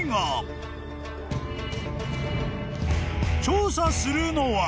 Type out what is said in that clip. ［調査するのは］